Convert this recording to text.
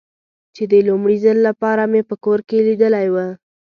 چې د لومړي ځل له پاره مې په کور کې لیدلی و.